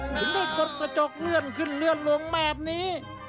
ถึงได้กดกระจกเลื่อนขึ้นเลื่อนลงแบบนี้